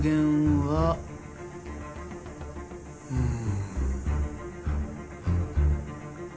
うん。